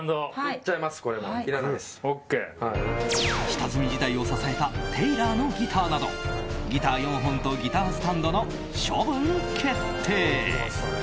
下積み時代を支えたテイラーのギターなどギター４本とギタースタンドの処分決定。